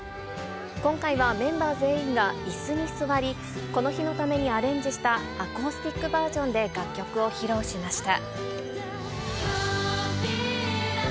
今回は、メンバー全員がいすに座り、この日のためにアレンジしたアコースティックバージョンで楽曲を披露しました。